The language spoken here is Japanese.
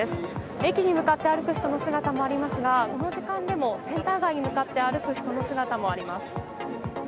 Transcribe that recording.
駅に向かって歩く人の姿もありますがこの時間でも、センター街に向かって歩く人の姿もあります。